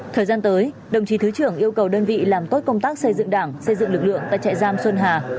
thời gian tới đồng chí thứ trưởng yêu cầu đơn vị làm tốt công tác xây dựng đảng xây dựng lực lượng tại trại giam xuân hà